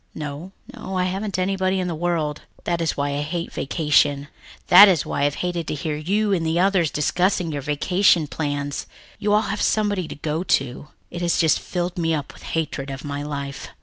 "No no, I haven't anybody in the world. That is why I hate vacation, that is why I've hated to hear you and the others discussing your vacation plans. You all have somebody to go to. It has just filled me up with hatred of my life."